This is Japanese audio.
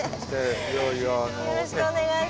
よろしくお願いします。